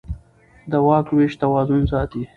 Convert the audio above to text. د واک وېش توازن ساتي